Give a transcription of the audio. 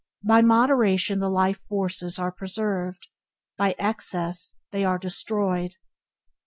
By moderation the life forces are preserved; by excess they are destroyed.